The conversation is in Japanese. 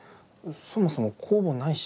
そもそも公募ないし。